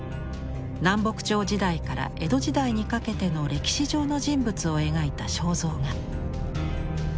南北朝時代から江戸時代にかけての歴史上の人物を描いた肖像画。